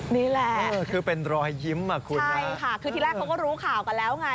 นี่แหละคือเป็นรอยยิ้มอ่ะคุณใช่ค่ะคือที่แรกเขาก็รู้ข่าวกันแล้วไง